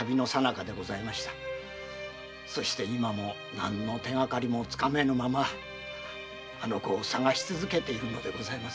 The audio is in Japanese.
そして今も何の手がかりも掴めぬままあの子を探し続けているのでございます。